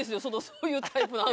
そういうタイプの。